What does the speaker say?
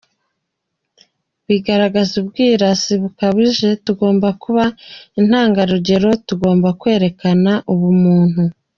Bigaragaza ubwirasi bukabije, tugomba kuba intangarugero, tugomba kwerekana ubumuntu.